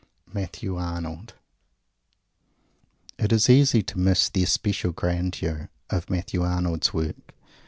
MATTHEW ARNOLD It is easy to miss the especial grandeur of Matthew Arnold's work.